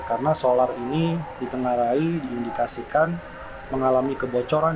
karena solar ini ditengarai diindikasikan mengalami kebocoran